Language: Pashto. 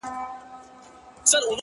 زما خوبـونو پــه واوښـتـل!